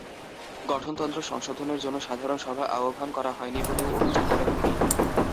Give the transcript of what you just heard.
গঠনতন্ত্র সংশোধনের জন্য সাধারণ সভা আহ্বান করা হয়নি বলেও অভিযোগ করেন তিনি।